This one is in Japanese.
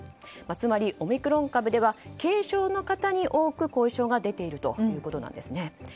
つまりオミクロン株では軽症の方に多く後遺症が出ているということなんです。